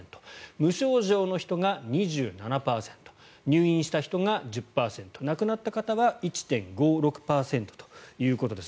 無症状の人が２７％入院した人が１０％亡くなった方は１．５６％ということです。